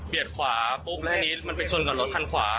ขวาปุ๊บแล้วทีนี้มันไปชนกับรถคันขวา